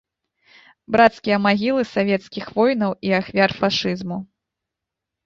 Брацкія магілы савецкіх воінаў і ахвяр фашызму.